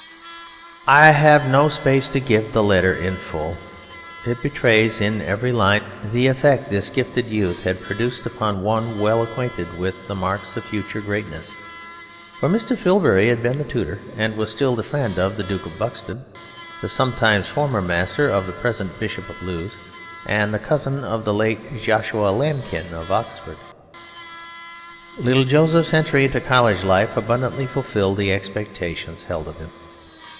I have no space to give the letter in full; it betrays in every line the effect this gifted youth had produced upon one well acquainted with the marks of future greatness; for Mr. Filbury had been the tutor and was still the friend of the Duke of Buxton, the sometime form master of the present Bishop of Lewes and the cousin of the late Joshua Lambkin of Oxford. Little Joseph's entry into college life abundantly fulfilled the expectations held of him.